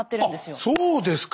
あっそうですか！